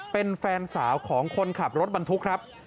เป็นแฟนสาวของคนขับรถบรรทุกครับ